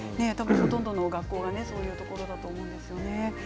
ほとんどの学校は、そういうところだと思うんですよね。